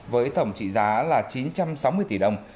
với tổng trị giá là chín trăm sáu mươi tỷ đồng